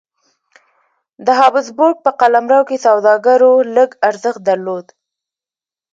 د هابسبورګ په قلمرو کې سوداګرو لږ ارزښت درلود.